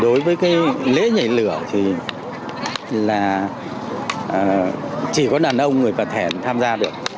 đối với cái lễ nhảy lửa thì là chỉ có đàn ông người bà thẻn tham gia được